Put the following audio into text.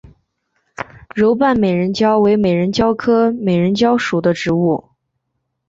柔瓣美人蕉为美人蕉科美人蕉属的植物。